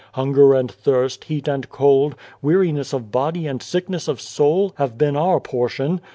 Hunger and thirst, heat and cold, weariness of body and sickness of soul, have been our portion.